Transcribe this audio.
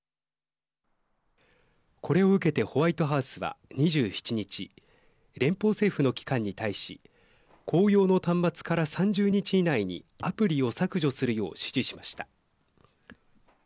これを受けてホワイトハウスは２７日連邦政府の機関に対し公用の端末から３０日以内にアプリを削除するよう指示しました。